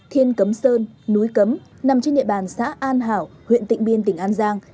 thiên cấm sơn núi cấm nằm trên địa bàn xã an hảo huyện tịnh biên tỉnh an giang